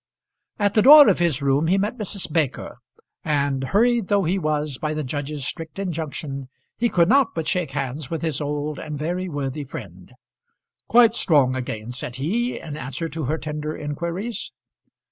At the door of his room he met Mrs. Baker, and, hurried though he was by the judge's strict injunction, he could not but shake hands with his old and very worthy friend. "Quite strong again," said he, in answer to her tender inquiries.